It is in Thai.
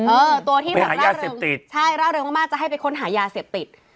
เออตัวที่ร่าเริงมากจะให้ไปค้นหายาเสพติด